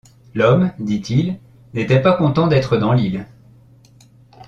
L’homme, dit-il, n’était pas content d’être dans l’île.